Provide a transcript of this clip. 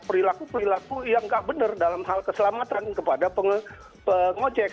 perilaku perilaku yang nggak benar dalam hal keselamatan kepada pengojek